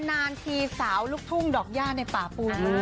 นานทีสาวลูกทุ่งดอกย่าในป่าปู